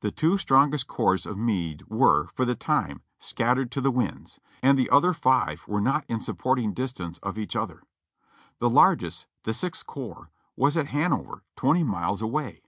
The two strongest corps of Meade were, for the time, scat tered to the winds, and the other five were not in supporting distance of each other. The largest, the Sixth corps, was at Hanover, twenty miles away.